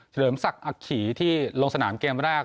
เลิมศักดิ์อักขี่ที่ลงสนามเกมแรก